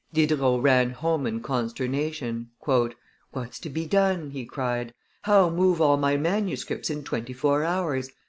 Diderot ran home in consternation. "What's to be done?" he cried; "how move all my manuscripts in twenty four hours?